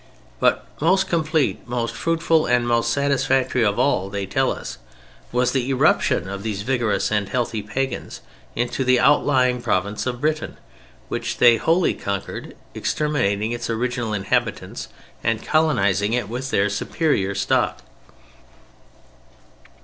But most complete, most fruitful, and most satisfactory of all (they tell us) was the eruption of these vigorous and healthy pagans into the outlying province of Britain, which they wholly conquered, exterminating its original inhabitants and colonizing it with their superior stock.